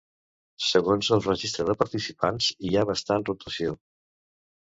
Segons el registre de participants, hi ha bastant rotació.